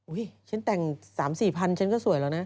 ฉันแต่ง๓๔พันฉันก็สวยแล้วนะ